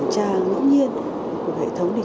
rời chợ long biên